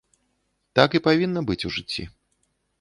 Так і павінна быць у жыцці.